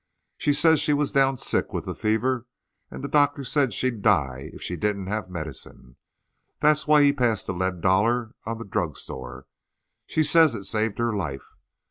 She says she was down sick with the fever, and the doctor said she'd die if she didn't have medicine. That's why he passed the lead dollar on the drug store. She says it saved her life.